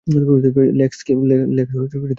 লেক্স, কী করছো?